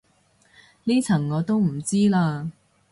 呢層我就唔知嘞